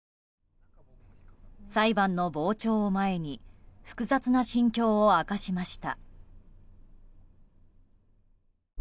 裁判の傍聴を前に複雑な心境を明かしました。